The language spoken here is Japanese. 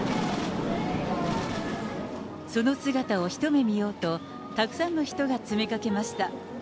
その姿を一目見ようと、たくさんの人が詰めかけました。